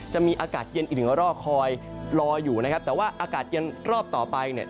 จะมีอากาศเย็นอีกหนึ่งรอกคอยรออยู่นะครับแต่ว่าอากาศเย็นรอบต่อไปเนี่ย